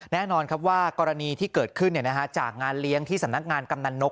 แน่นอนครับว่ากรณีที่เกิดขึ้นจากงานเลี้ยงที่สำนักงานกำนันนก